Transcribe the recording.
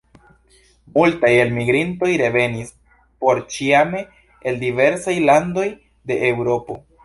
Multaj elmigrintoj revenis porĉiame el diversaj landoj de Eŭropo.